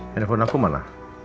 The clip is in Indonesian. telepon aku mana